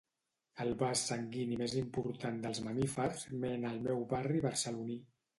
El vas sanguini més important dels mamífers mena al meu barri barceloní.